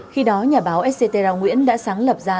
khi đó nhà báo etcetera nguyễn đã sáng lập ra